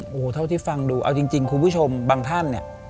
โอ้โหเท่าที่ฟังดูเอาจริงคุณผู้ชมบางท่านเนี่ย